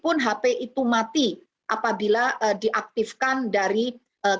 yang bisa berbunyi otomatis di hp meskipun hp itu mati apabila diaktifkan dari kabupaten atau kota